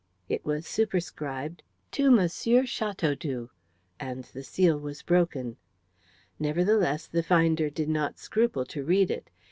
It was superscribed "To M. Chateaudoux," and the seal was broken. Nevertheless, the finder did not scruple to read it.